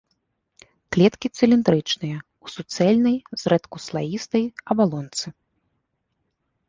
Клеткі цыліндрычныя, у суцэльнай, зрэдку слаістай абалонцы.